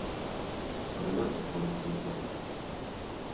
Παναγιά μου! φώναξε η κόρη.